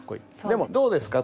でもどうですか？